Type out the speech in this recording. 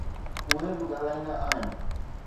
اهي به ڳالهائيندا آهن.